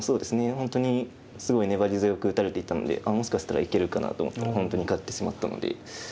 本当にすごい粘り強く打たれていたのでもしかしたらいけるかなと思ったら本当に勝ってしまったので。